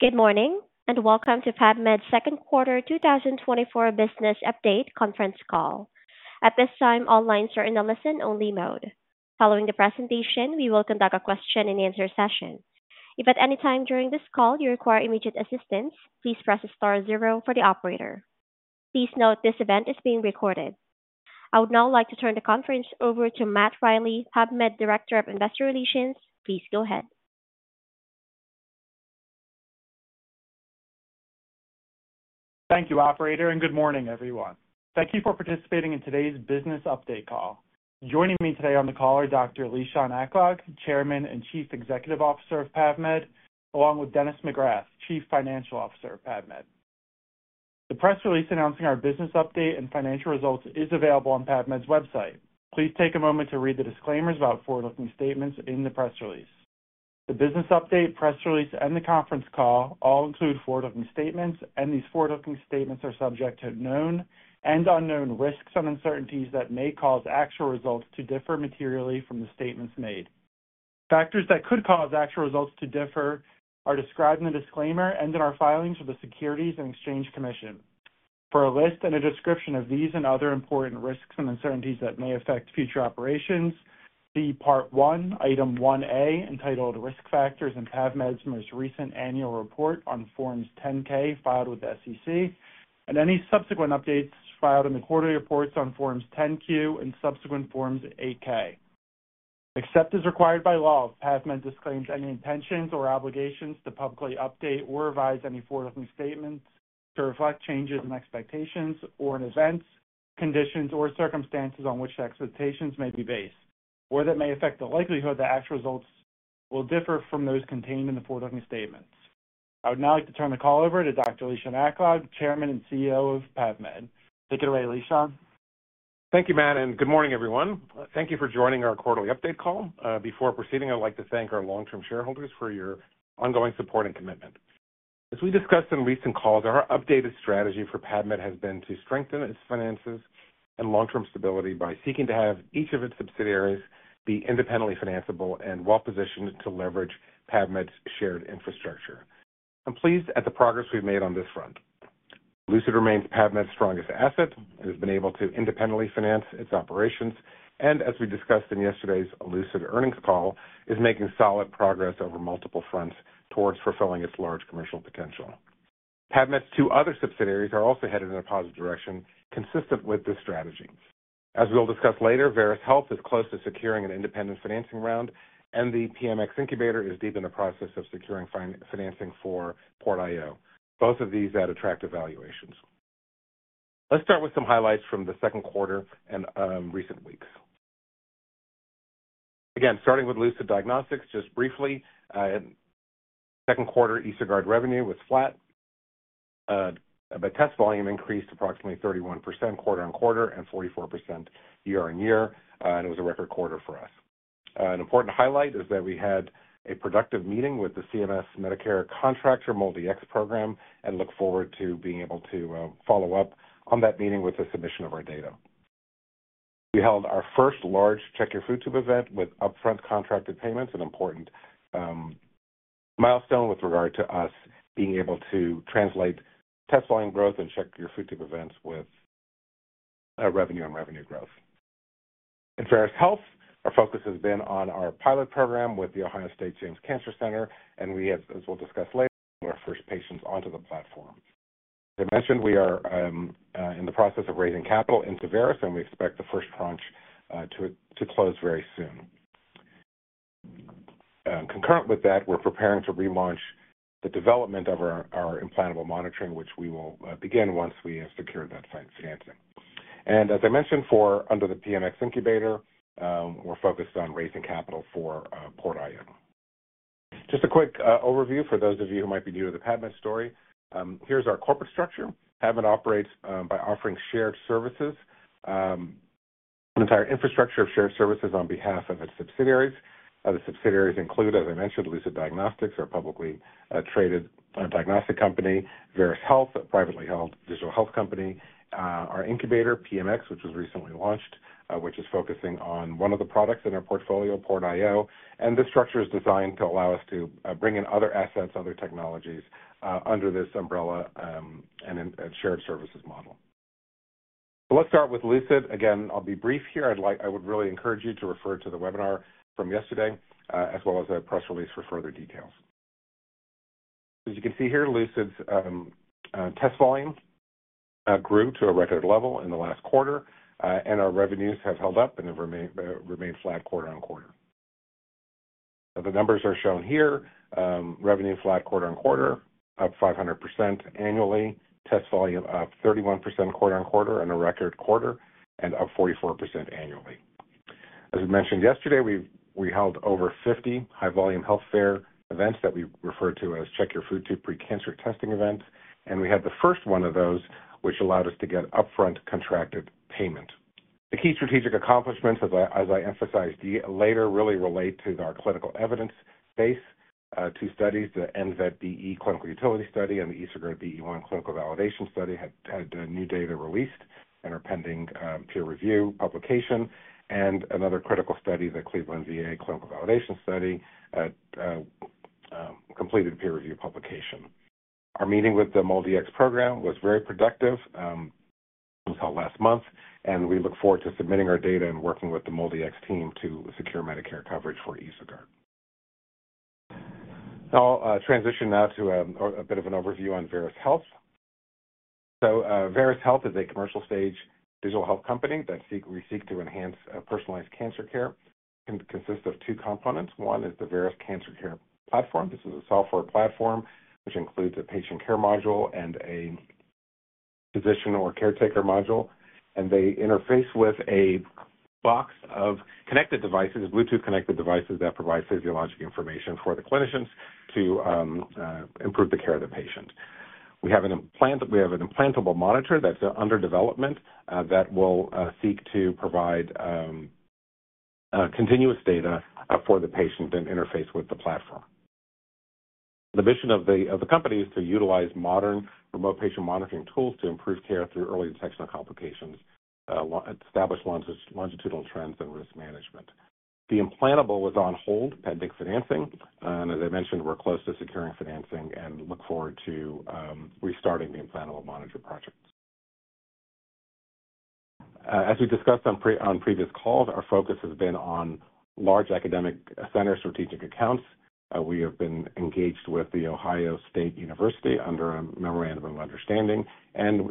Good morning, and welcome to PAVmed's Second Quarter 2024 Business Update Conference Call. At this time, all lines are in a listen-only mode. Following the presentation, we will conduct a question-and-answer session. If at any time during this call you require immediate assistance, please press star zero for the operator. Please note this event is being recorded. I would now like to turn the conference over to Matt Riley, PAVmed Director of Investor Relations. Please go ahead. Thank you, operator, and good morning, everyone. Thank you for participating in today's business update call. Joining me today on the call are Dr. Lishan Aklog, Chairman and Chief Executive Officer of PAVmed, along with Dennis McGrath, Chief Financial Officer of PAVmed. The press release announcing our business update and financial results is available on PAVmed's website. Please take a moment to read the disclaimers about forward-looking statements in the press release. The business update, press release, and the conference call all include forward-looking statements, and these forward-looking statements are subject to known and unknown risks and uncertainties that may cause actual results to differ materially from the statements made. Factors that could cause actual results to differ are described in the disclaimer and in our filings with the Securities and Exchange Commission. For a list and a description of these and other important risks and uncertainties that may affect future operations, see Part I, Item 1A, entitled Risk Factors in PAVmed's most recent annual report on Form 10-K filed with the SEC, and any subsequent updates filed in the quarterly reports on Form 10-Q and subsequent Forms 8-K. Except as required by law, PAVmed disclaims any intentions or obligations to publicly update or revise any forward-looking statements to reflect changes in expectations or in events, conditions, or circumstances on which the expectations may be based, or that may affect the likelihood that actual results will differ from those contained in the forward-looking statements. I would now like to turn the call over to Dr. Lishan Aklog, Chairman and Chief Executive Officer of PAVmed. Take it away, Lishan. Thank you, Matt, and good morning, everyone. Thank you for joining our quarterly update call. Before proceeding, I'd like to thank our long-term shareholders for your ongoing support and commitment. As we discussed in recent calls, our updated strategy for PAVmed has been to strengthen its finances and long-term stability by seeking to have each of its subsidiaries be independently financiable and well-positioned to leverage PAVmed's shared infrastructure. I'm pleased at the progress we've made on this front. Lucid remains PAVmed's strongest asset. It has been able to independently finance its operations, and as we discussed in yesterday's Lucid earnings call, is making solid progress over multiple fronts towards fulfilling its large commercial potential. PAVmed's two other subsidiaries are also headed in a positive direction, consistent with this strategy. As we'll discuss later, Veris Health is close to securing an independent financing round, and the PMX Incubator is deep in the process of securing financing for PortIO, both of these at attractive valuations. Let's start with some highlights from the second quarter and recent weeks. Again, starting with Lucid Diagnostics, just briefly, second quarter EsoGuard revenue was flat, but test volume increased approximately 31% quarter-on-quarter and 44% year-on-year, and it was a record quarter for us. An important highlight is that we had a productive meeting with the CMS Medicare contractor, MolDX program, and look forward to being able to follow up on that meeting with the submission of our data. We held our first large Check Your Food Tube event with upfront contracted payments, an important milestone with regard to us being able to translate test line growth and Check Your Food Tube events with revenue and revenue growth. In Veris Health, our focus has been on our pilot program with the Ohio State James Cancer Center, and we have, as we'll discuss later, our first patients onto the platform. As I mentioned, we are in the process of raising capital into Veris, and we expect the first tranche to close very soon. Concurrent with that, we're preparing to relaunch the development of our implantable monitoring, which we will begin once we have secured that financing. And as I mentioned, under the PMX Incubator, we're focused on raising capital for PortIO. Just a quick overview for those of you who might be new to the PAVmed story. Here's our corporate structure. PAVmed operates by offering shared services, an entire infrastructure of shared services on behalf of its subsidiaries. The subsidiaries include, as I mentioned, Lucid Diagnostics, our publicly traded diagnostic company, Veris Health, a privately held digital health company, our incubator, PMX, which was recently launched, which is focusing on one of the products in our portfolio, PortIO. And this structure is designed to allow us to bring in other assets, other technologies under this umbrella, and a shared services model. So let's start with Lucid. Again, I'll be brief here. I'd like... I would really encourage you to refer to the webinar from yesterday, as well as our press release for further details. As you can see here, Lucid's test volume grew to a record level in the last quarter, and our revenues have held up and remain flat quarter-on-quarter. The numbers are shown here. Revenue flat quarter-on-quarter, up 500% annually. Test volume up 31% quarter-on-quarter and a record quarter, and up 44% annually. As we mentioned yesterday, we held over 50 high-volume health fair events that we refer to as Check Your Food Tube pre-cancer testing events, and we had the first one of those, which allowed us to get upfront contracted payment. The key strategic accomplishments, as I emphasized later, really relate to our clinical evidence base. Two studies, the NZBE Clinical Utility Study and the ESOGUARD BE-1 Clinical Validation Study, had new data released and are pending peer review publication. Another critical study, the Cleveland VA Clinical Validation Study, completed peer review publication. Our meeting with the MolDX program was very productive until last month, and we look forward to submitting our data and working with the MolDX team to secure Medicare coverage for EsoGuard. I'll transition now to a bit of an overview on Veris Health. Veris Health is a commercial stage digital health company that we seek to enhance personalized cancer care, and consists of two components. One is the Veris Cancer Care Platform. This is a software platform which includes a patient care module and a physician or caretaker module, and they interface with a box of connected devices, Bluetooth connected devices, that provide physiologic information for the clinicians to improve the care of the patient. We have an implantable monitor that's under development that will seek to provide continuous data for the patient and interface with the platform. The mission of the company is to utilize modern remote patient monitoring tools to improve care through early detection of complications, establish longitudinal trends and risk management. The implantable was on hold, pending financing, and as I mentioned, we're close to securing financing and look forward to restarting the implantable monitor project. As we discussed on previous calls, our focus has been on large academic center strategic accounts. We have been engaged with the Ohio State University under a memorandum of understanding, and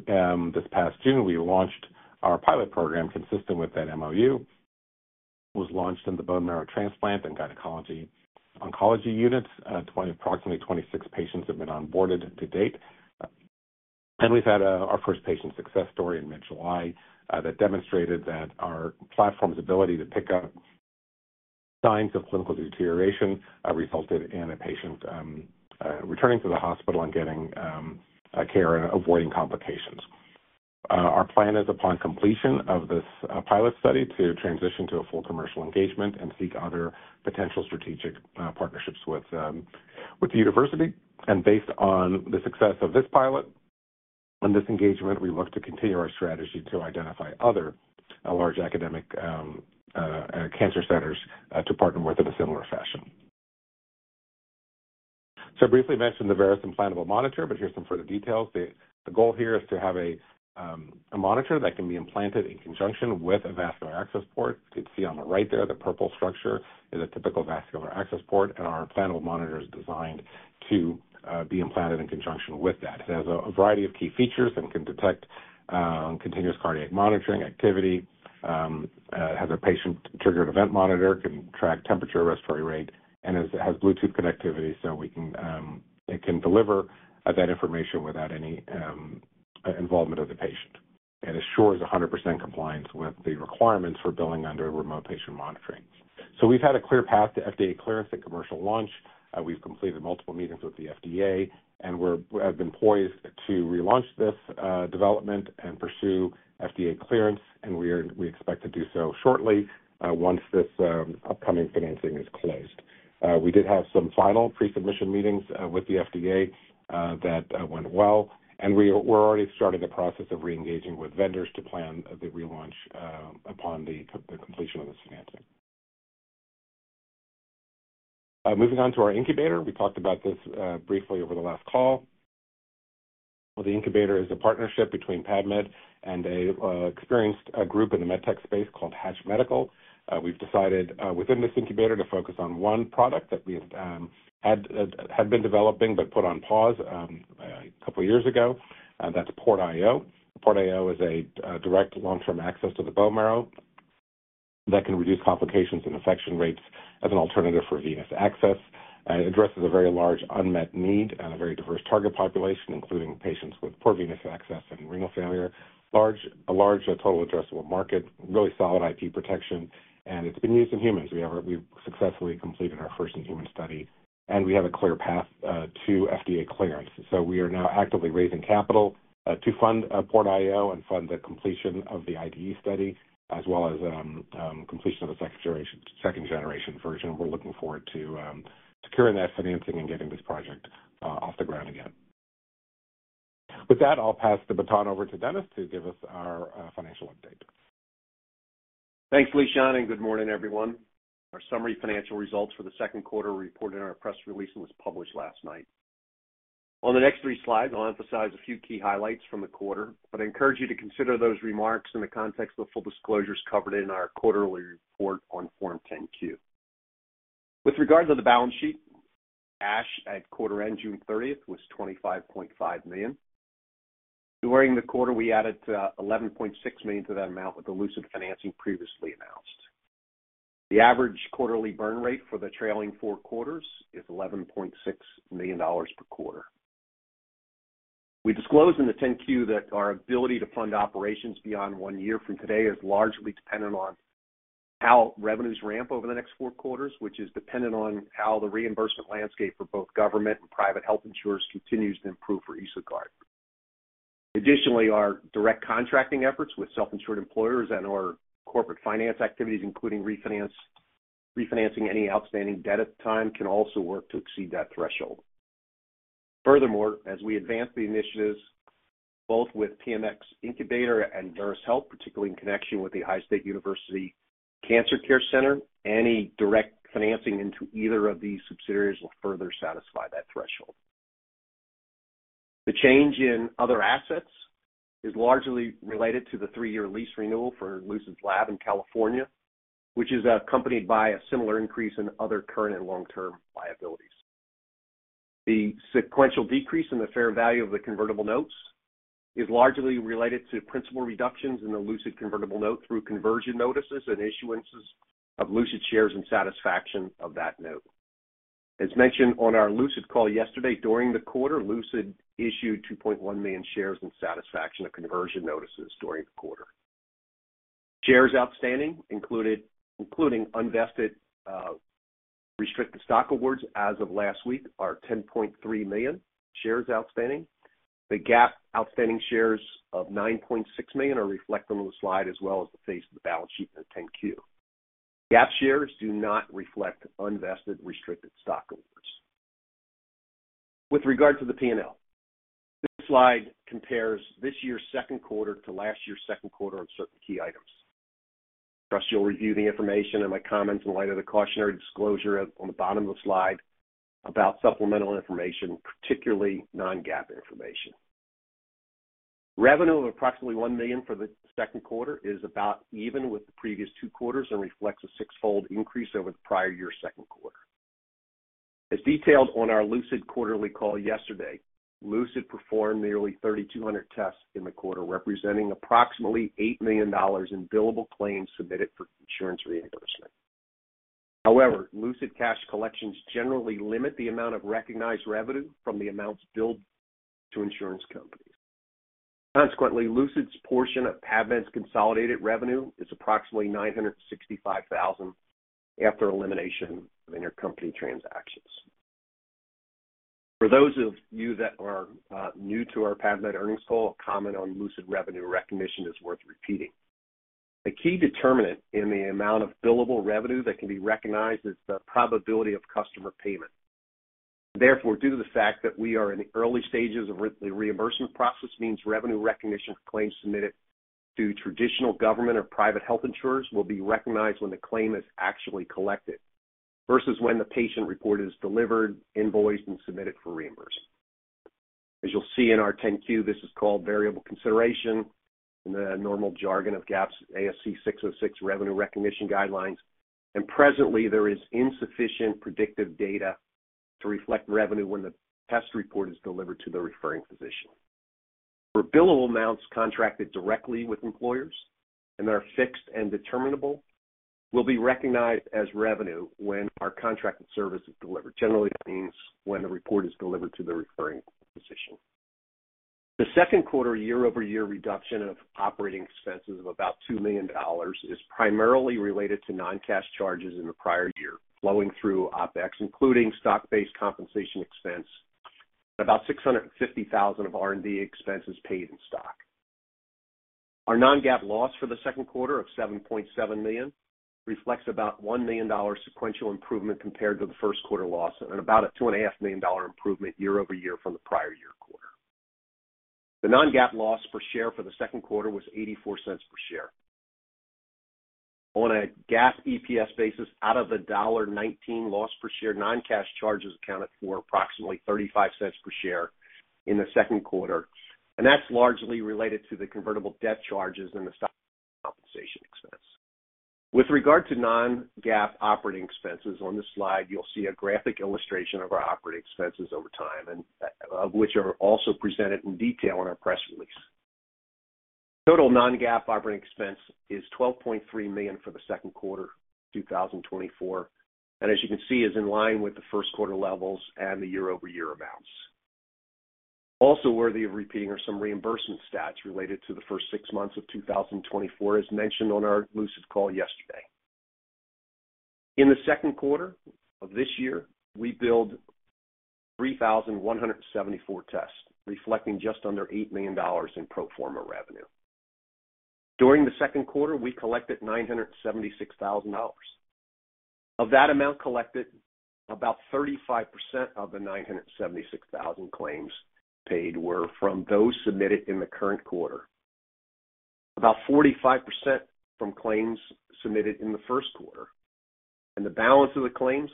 this past June, we launched our pilot program consistent with that MOU, was launched in the bone marrow transplant and gynecologic oncology units. Approximately 26 patients have been onboarded to date, and we've had our first patient success story in mid-July that demonstrated that our platform's ability to pick up signs of clinical deterioration resulted in a patient returning to the hospital and getting care and avoiding complications. Our plan is, upon completion of this pilot study, to transition to a full commercial engagement and seek other potential strategic partnerships with the university. Based on the success of this pilot on this engagement, we look to continue our strategy to identify other large academic cancer centers to partner with in a similar fashion. I briefly mentioned the Veris implantable monitor, but here's some further details. The goal here is to have a monitor that can be implanted in conjunction with a vascular access port. You can see on the right there, the purple structure is a typical vascular access port, and our implantable monitor is designed to be implanted in conjunction with that. It has a variety of key features and can detect continuous cardiac monitoring activity, has a patient-triggered event monitor, can track temperature, respiratory rate, and it has Bluetooth connectivity so we can... It can deliver that information without any involvement of the patient. And assures 100% compliance with the requirements for billing under remote patient monitoring. So we've had a clear path to FDA clearance and commercial launch. We've completed multiple meetings with the FDA, and we have been poised to relaunch this development and pursue FDA clearance, and we expect to do so shortly once this upcoming financing is closed. We did have some final pre-submission meetings with the FDA that went well, and we're already starting the process of reengaging with vendors to plan the relaunch upon the completion of this financing. Moving on to our incubator. We talked about this briefly over the last call. Well, the incubator is a partnership between PAVmed and an experienced group in the med tech space called Hatch Medical. We've decided within this incubator to focus on one product that we've had been developing but put on pause a couple of years ago, that's PortIO. PortIO is a direct long-term access to the bone marrow that can reduce complications and infection rates as an alternative for venous access. It addresses a very large unmet need and a very diverse target population, including patients with poor venous access and renal failure. A large total addressable market, really solid IP protection, and it's been used in humans. We've successfully completed our first in-human study, and we have a clear path to FDA clearance. So we are now actively raising capital to fund PortIO and fund the completion of the IDE study, as well as completion of the second generation, second generation version. We're looking forward to securing that financing and getting this project off the ground again. With that, I'll pass the baton over to Dennis to give us our financial update. Thanks, Lishan, and good morning, everyone. Our summary financial results for the second quarter were reported in our press release and was published last night. On the next three slides, I'll emphasize a few key highlights from the quarter, but I encourage you to consider those remarks in the context of the full disclosures covered in our quarterly report on Form 10-Q. With regard to the balance sheet, cash at quarter end, June 30, was $25.5 million. During the quarter, we added eleven point six million to that amount with the Lucid financing previously announced. The average quarterly burn rate for the trailing four quarters is $11.6 million per quarter. We disclosed in the 10-Q that our ability to fund operations beyond one year from today is largely dependent on how revenues ramp over the next four quarters, which is dependent on how the reimbursement landscape for both government and private health insurers continues to improve for EsoGuard. Additionally, our direct contracting efforts with self-insured employers and our corporate finance activities, including refinance- refinancing any outstanding debt at the time, can also work to exceed that threshold. Furthermore, as we advance the initiatives, both with PMX Incubator and Veris Health, particularly in connection with the Ohio State University Comprehensive Cancer Center, any direct financing into either of these subsidiaries will further satisfy that threshold. The change in other assets is largely related to the three-year lease renewal for Lucid's lab in California, which is accompanied by a similar increase in other current and long-term liabilities. The sequential decrease in the fair value of the convertible notes is largely related to principal reductions in the Lucid convertible note through conversion notices and issuances of Lucid shares and satisfaction of that note. As mentioned on our Lucid call yesterday, during the quarter, Lucid issued 2.1 million shares in satisfaction of conversion notices during the quarter. Shares outstanding included, including unvested, restricted stock awards as of last week, are 10.3 million shares outstanding. The GAAP outstanding shares of 9.6 million are reflected on the slide, as well as the face of the balance sheet in the 10-Q. GAAP shares do not reflect unvested restricted stock awards. With regard to the P&L, this slide compares this year's second quarter to last year's second quarter on certain key items. First, you'll review the information and my comments in light of the cautionary disclosure on the bottom of the slide about supplemental information, particularly non-GAAP information. Revenue of approximately $1 million for the second quarter is about even with the previous two quarters and reflects a sixfold increase over the prior year's second quarter. As detailed on our Lucid quarterly call yesterday, Lucid performed nearly 3,200 tests in the quarter, representing approximately $8 million in billable claims submitted for insurance reimbursement. However, Lucid cash collections generally limit the amount of recognized revenue from the amounts billed to insurance companies. Consequently, Lucid's portion of PAVmed's consolidated revenue is approximately $965,000 after elimination of intercompany transactions. For those of you that are new to our PAVmed earnings call, a comment on Lucid revenue recognition is worth repeating. A key determinant in the amount of billable revenue that can be recognized is the probability of customer payment. Therefore, due to the fact that we are in the early stages of the reimbursement process, revenue recognition for claims submitted to traditional government or private health insurers will be recognized when the claim is actually collected versus when the patient report is delivered, invoiced, and submitted for reimbursement. As you'll see in our 10-Q, this is called variable consideration in the normal jargon of GAAP's ASC 606 revenue recognition guidelines, and presently, there is insufficient predictive data to reflect revenue when the test report is delivered to the referring physician. For billable amounts contracted directly with employers and that are fixed and determinable, will be recognized as revenue when our contracted service is delivered. Generally, that means when the report is delivered to the referring physician. The second quarter year-over-year reduction of operating expenses of about $2 million is primarily related to non-cash charges in the prior year, flowing through OpEx, including stock-based compensation expense, and about $650,000 of R&D expenses paid in stock. Our non-GAAP loss for the second quarter of $7.7 million reflects about $1 million sequential improvement compared to the first quarter loss and about a $2.5 million improvement year-over-year from the prior year quarter. The non-GAAP loss per share for the second quarter was $0.84 per share. On a GAAP EPS basis, out of a $1.19 loss per share, non-cash charges accounted for approximately $0.35 per share in the second quarter, and that's largely related to the convertible debt charges and the stock compensation expense. With regard to non-GAAP operating expenses, on this slide, you'll see a graphic illustration of our operating expenses over time and, of which are also presented in detail in our press release. Total non-GAAP operating expense is $12.3 million for the second quarter 2024, and as you can see, is in line with the first quarter levels and the year-over-year amounts. Also worthy of repeating are some reimbursement stats related to the first six months of 2024, as mentioned on our Lucid call yesterday. In the second quarter of this year, we billed 3,174 tests, reflecting just under $8 million in pro forma revenue. During the second quarter, we collected $976,000. Of that amount collected, about 35% of the 976,000 claims paid were from those submitted in the current quarter. About 45% from claims submitted in the first quarter, and the balance of the claims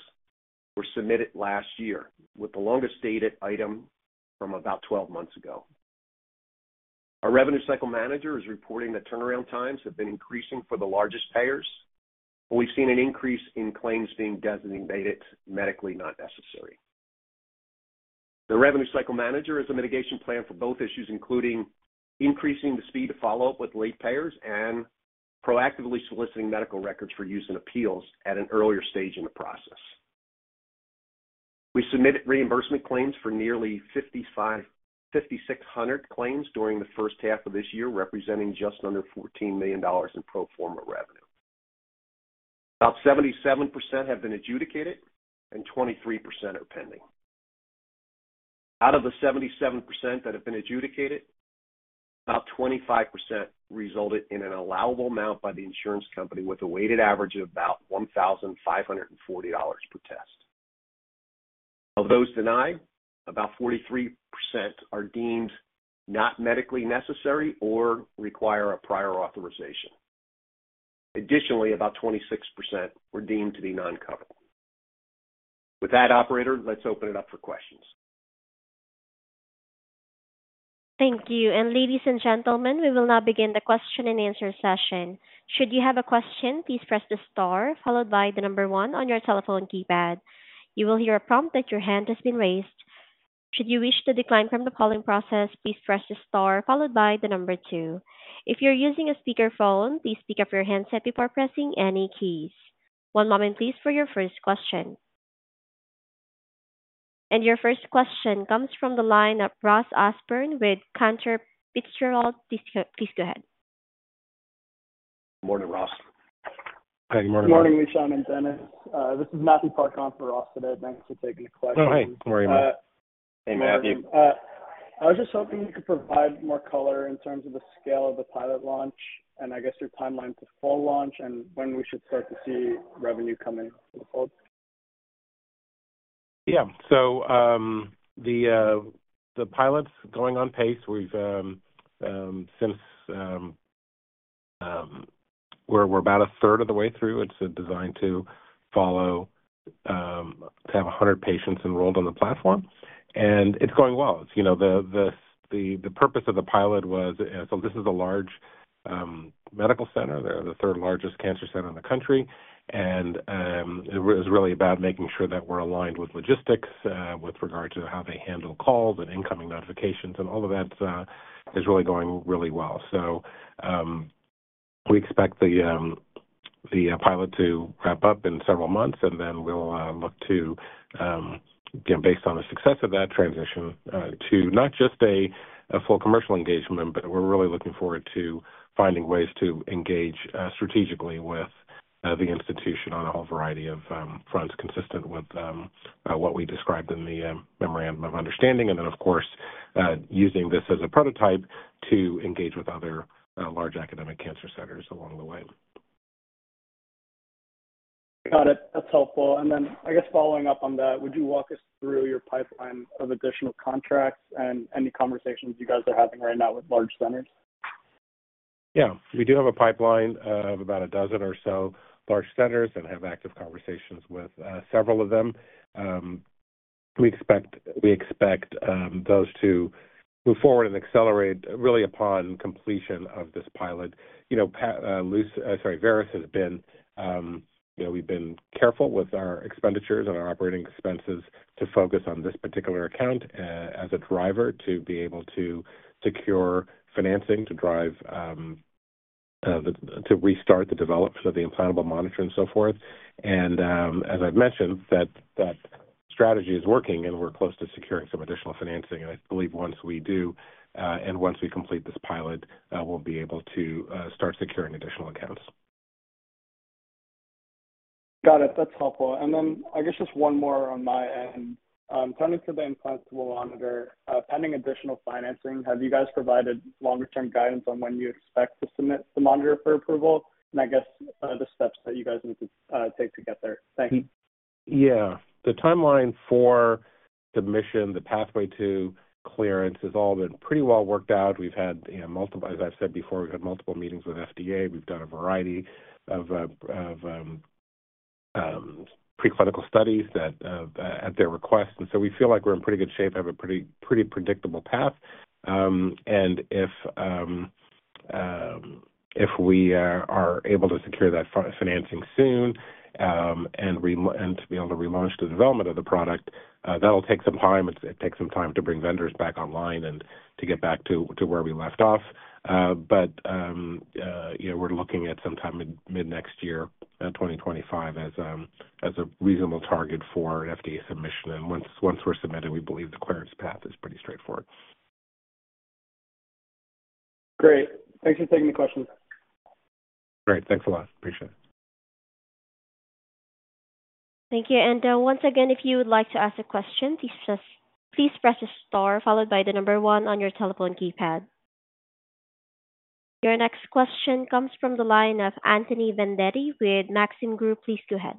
were submitted last year, with the longest dated item from about 12 months ago. Our revenue cycle manager is reporting that turnaround times have been increasing for the largest payers, and we've seen an increase in claims being designated medically not necessary. The revenue cycle manager has a mitigation plan for both issues, including increasing the speed to follow up with late payers and proactively soliciting medical records for use in appeals at an earlier stage in the process. We submitted reimbursement claims for nearly 5,600 claims during the first half of this year, representing just under $14 million in pro forma revenue. About 77% have been adjudicated and 23% are pending. Out of the 77% that have been adjudicated, about 25% resulted in an allowable amount by the insurance company, with a weighted average of about $1,540 per test. Of those denied, about 43% are deemed not medically necessary or require a prior authorization. Additionally, about 26% were deemed to be non-covered. With that, operator, let's open it up for questions. Thank you. And ladies and gentlemen, we will now begin the question-and-answer session. Should you have a question, please press the star followed by the number one on your telephone keypad. You will hear a prompt that your hand has been raised. Should you wish to decline from the polling process, please press the star followed by the number two. If you're using a speakerphone, please pick up your handset before pressing any keys. One moment, please, for your first question. And your first question comes from the line of Ross Osborn with Cantor Fitzgerald. Please go ahead. Morning, Ross. Good morning. Morning, Lishan and Dennis. This is Matthew Park on for Ross today. Thanks for taking the question. Oh, hey. Good morning, Matt. Hey, Matthew. I was just hoping you could provide more color in terms of the scale of the pilot launch and I guess, your timeline to full launch and when we should start to see revenue coming in full? Yeah. So, the pilot's going on pace. We've since we're about a third of the way through. It's designed to follow, to have 100 patients enrolled on the platform, and it's going well. You know, the purpose of the pilot was, so this is a large medical center. They're the third largest cancer center in the country, and it was really about making sure that we're aligned with logistics, with regard to how they handle calls and incoming notifications, and all of that is really going really well. So, we expect the pilot to wrap up in several months, and then we'll look to, again, based on the success of that transition, to not just a full commercial engagement, but we're really looking forward to finding ways to engage strategically with the institution on a whole variety of fronts, consistent with what we described in the memorandum of understanding, and then, of course, using this as a prototype to engage with other large academic cancer centers along the way. Got it. That's helpful. And then I guess following up on that, would you walk us through your pipeline of additional contracts and any conversations you guys are having right now with large centers? Yeah. We do have a pipeline of about a dozen or so large centers and have active conversations with several of them. We expect those to move forward and accelerate really upon completion of this pilot. You know, Veris has been, you know, we've been careful with our expenditures and our operating expenses to focus on this particular account as a driver to be able to secure financing, to drive to restart the development of the implantable monitor and so forth. As I've mentioned, that strategy is working, and we're close to securing some additional financing. I believe once we do and once we complete this pilot, we'll be able to start securing additional accounts. Got it. That's helpful. And then I guess, just one more on my end. Turning to the implantable monitor, pending additional financing, have you guys provided longer-term guidance on when you expect to submit the monitor for approval? And I guess, the steps that you guys need to take to get there. Thank you. Yeah. The timeline for submission, the pathway to clearance, has all been pretty well worked out. We've had, you know, multiple, as I've said before, we've had multiple meetings with FDA. We've done a variety of preclinical studies that, at their request, and so we feel like we're in pretty good shape, have a pretty, pretty predictable path. And if we are able to secure that financing soon, and to be able to relaunch the development of the product, that'll take some time. It'll take some time to bring vendors back online and to get back to where we left off. But, you know, we're looking at sometime in mid-next year, 2025, as a reasonable target for FDA submission. Once we're submitted, we believe the clearance path is pretty straightforward. Great. Thanks for taking the question. Great. Thanks a lot. Appreciate it. Thank you. And, once again, if you would like to ask a question, please just, please press star followed by the number one on your telephone keypad. Your next question comes from the line of Anthony Vendetti with Maxim Group. Please go ahead.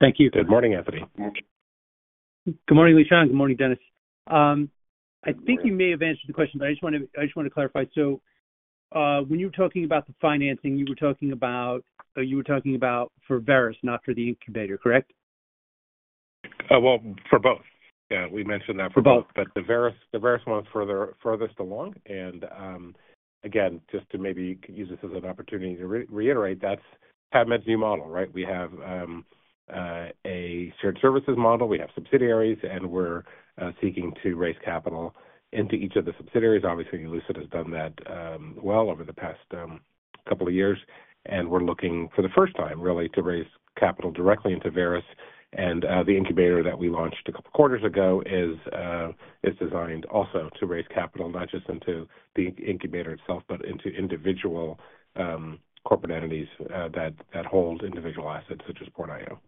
Thank you. Good morning, Anthony. Good morning, Lishan. Good morning, Dennis. I think you may have answered the question, but I just want to, I just want to clarify. So, when you were talking about the financing, you were talking about, you were talking about for Veris, not for the incubator, correct? Well, for both. Yeah, we mentioned that- For both. But the Veris, the Veris one is further, furthest along. And, again, just to maybe use this as an opportunity to reiterate, that's PAVmed's new model, right? We have a shared services model, we have subsidiaries, and we're seeking to raise capital into each of the subsidiaries. Obviously, Lucid has done that well over the past couple of years, and we're looking for the first time, really, to raise capital directly into Veris. And, the incubator that we launched a couple of quarters ago is designed also to raise capital, not just into the incubator itself, but into individual corporate entities that hold individual assets, such as PortIO.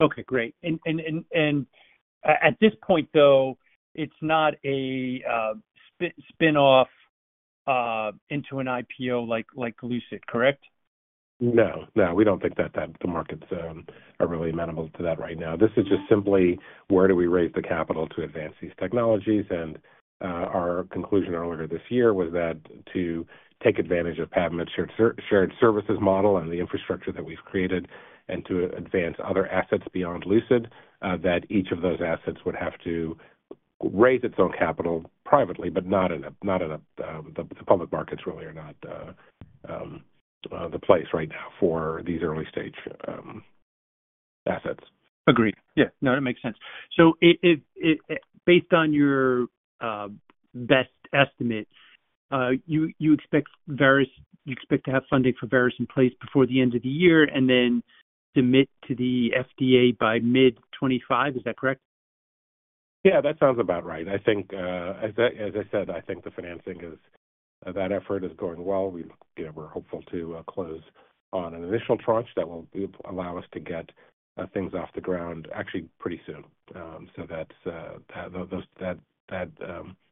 Okay, great. At this point, though, it's not a spin-off into an IPO like Lucid, correct? ...No, no, we don't think that the markets are really amenable to that right now. This is just simply where do we raise the capital to advance these technologies? And our conclusion earlier this year was that to take advantage of PAVmed Shared Services model and the infrastructure that we've created, and to advance other assets beyond Lucid, that each of those assets would have to raise its own capital privately, but not in the public markets really are not the place right now for these early-stage assets. Agreed. Yeah. No, it makes sense. Based on your best estimates, you expect Veris, you expect to have funding for Veris in place before the end of the year and then submit to the FDA by mid-2025. Is that correct? Yeah, that sounds about right. I think, as I said, I think the financing is, that effort is going well. We, you know, we're hopeful to, close on an initial tranche that will allow us to get, things off the ground actually pretty soon. So that's,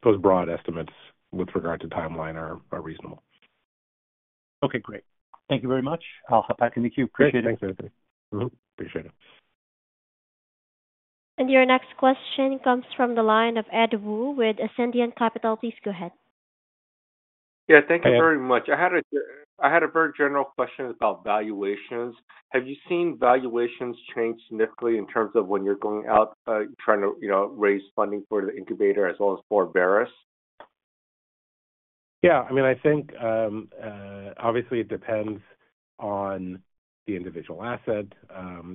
those broad estimates with regard to timeline are reasonable. Okay, great. Thank you very much. I'll hop back in the queue. Appreciate it. Thanks, Anthony. Mm-hmm. Appreciate it. Your next question comes from the line of Ed Woo with Ascendiant Capital. Please go ahead. Yeah, thank you very much. I had a very general question about valuations. Have you seen valuations change significantly in terms of when you're going out, trying to, you know, raise funding for the incubator as well as for Veris? Yeah, I mean, I think, obviously, it depends on the individual asset.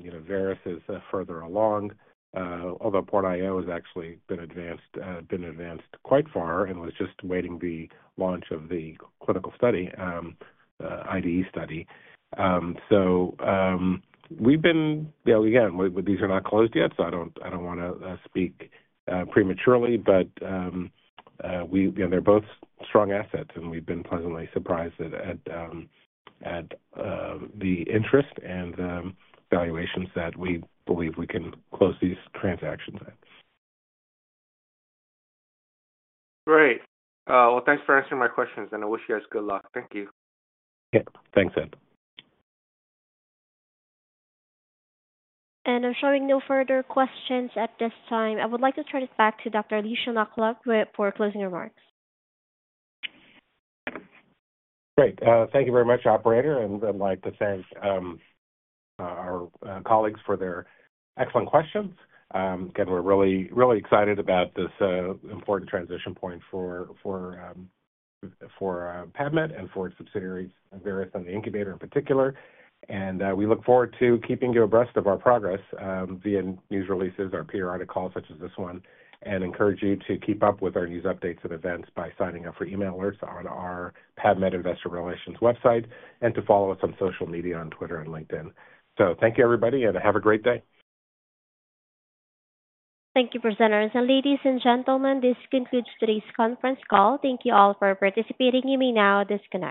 You know, Veris is further along, although PortIO has actually been advanced quite far and was just waiting the launch of the Clinical Study, IDE Study. So, we've been, you know, again, these are not closed yet, so I don't wanna speak prematurely, but, we, you know, they're both strong assets, and we've been pleasantly surprised at the interest and valuations that we believe we can close these transactions at. Great. Well, thanks for answering my questions, and I wish you guys good luck. Thank you. Yeah. Thanks, Ed. I'm showing no further questions at this time. I would like to turn it back to Dr. Lishan Aklog for closing remarks. Great. Thank you very much, operator, and I'd like to thank our colleagues for their excellent questions. Again, we're really, really excited about this important transition point for PAVmed and for its subsidiaries, Veris and the incubator in particular. And we look forward to keeping you abreast of our progress via news releases or periodic calls such as this one, and encourage you to keep up with our news updates and events by signing up for email alerts on our PAVmed Investor Relations website and to follow us on social media, on Twitter and LinkedIn. So thank you, everybody, and have a great day. Thank you, presenters. Ladies and gentlemen, this concludes today's conference call. Thank you all for participating. You may now disconnect.